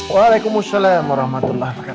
waalaikumsalam warahmatullahi wabarakatuh